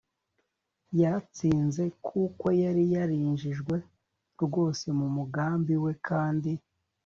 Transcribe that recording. yaratsinze kuko yari yarinjijwe rwose mu mugambi we, kandi